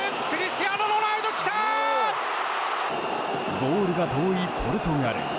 ゴールが遠いポルトガル。